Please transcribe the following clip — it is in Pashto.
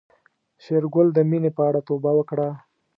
شېرګل د مينې په اړه توبه وکړه.